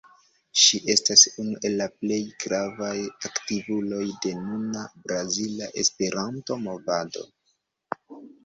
Ŝi estas unu el plej gravaj aktivuloj de nuna brazila Esperanto-Movado.